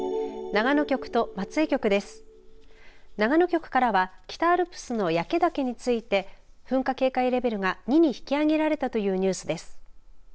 長野局からは北アルプスの焼岳について噴火警戒レベルが２に引き上げられたというニュースです。